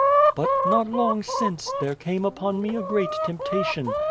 " But, not long since, there came upon me a great temptation.